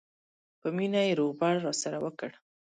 په مینه یې روغبړ راسره وکړ.